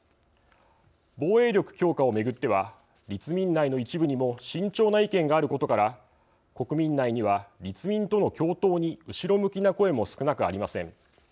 防衛力強化を巡っては立民内の一部にも慎重な意見があることから国民内には、立民との共闘に後ろ向きな声も少なくありません。